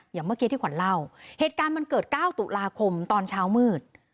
อย่างเมื่อกี้ที่ขวัญเล่าเหตุการณ์มันเกิด๙ตุลาคมตอนเช้ามืด